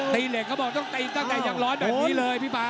เหล็กเขาบอกต้องตีตั้งแต่ยังร้อนแบบนี้เลยพี่ม้า